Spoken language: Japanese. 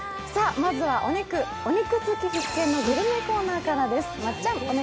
まずはお肉好き必見のグルメコーナーです。